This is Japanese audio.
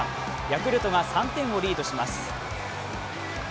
ヤクルトが３点をリードします。